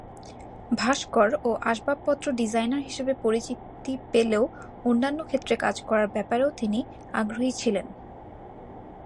ভাস্কর ও আসবাবপত্র ডিজাইনার হিসেবে পরিচিতি পেলেও অন্যান্য ক্ষেত্রে কাজ করার ব্যাপারেও তিনি আগ্রহী ছিলেন।